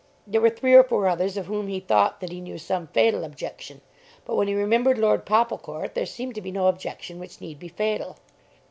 There were three or four others of whom he thought that he knew some fatal objection. But when he remembered Lord Popplecourt there seemed to be no objection which need be fatal.